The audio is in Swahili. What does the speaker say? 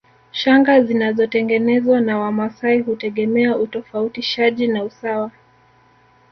Shanga zinazotengenezwa na Wamasai hutegemea utofautishaji na usawa